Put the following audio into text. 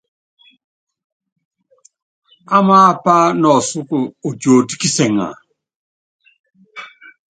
Amaapa nɔ ɔsúkɔ otiotó kisɛŋa ?